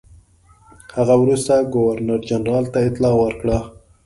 هغه وروسته ګورنرجنرال ته اطلاع ورکړه.